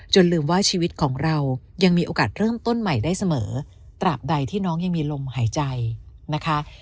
ลืมว่าชีวิตของเรายังมีโอกาสเริ่มต้นใหม่ได้เสมอตราบใดที่น้องยังมีลมหายใจนะคะ